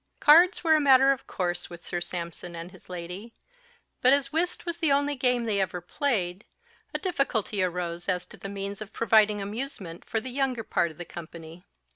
Cards were a matter of course with Sir Sampson and his lady; but as whist was the only game they ever played, a difficulty arose as to the means of providing amusement for the younger part of the company.